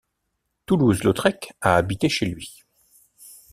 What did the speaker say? Toulouse-Lautrec a habité chez lui.